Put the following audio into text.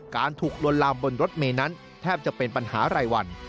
การถูกลวนลามบนรถเมย์นั้นแทบจะเป็นปัญหารายวัน